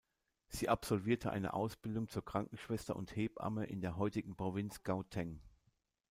Sie absolvierte eine Ausbildung zur Krankenschwester und Hebamme in der heutigen Provinz Gauteng.